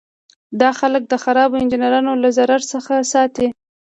دا خلک د خرابو انجینرانو له ضرر څخه ساتي.